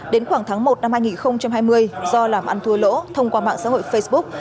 đến khoảng tháng một năm hai nghìn hai mươi do làm ăn thua lỗ thông qua mạng xã hội facebook